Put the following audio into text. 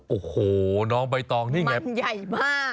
โอ้โหน้องใบตองนี่ไงมันใหญ่มาก